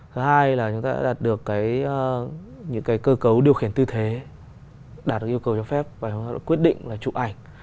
thứ hai là chúng ta đã đạt được những cơ cấu điều khiển tư thế đạt được yêu cầu cho phép và chúng ta quyết định là chụp ảnh